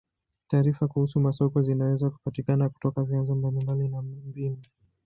Taarifa kuhusu masoko zinaweza kupatikana kutoka vyanzo mbalimbali na na mbinu.